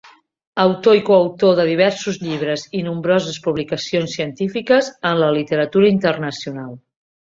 Autor i coautor de diversos llibres i nombroses publicacions científiques en la literatura internacional.